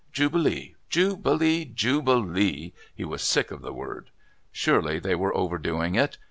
Jubilee! Jubilee! Jubilee! He was sick of the word. Surely they were overdoing it.